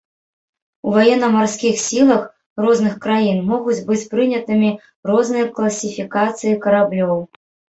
У ваенна-марскіх сілах розных краін могуць быць прынятымі розныя класіфікацыі караблёў.